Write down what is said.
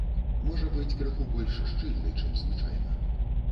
Можа быць крыху больш шчыльны, чым звычайна.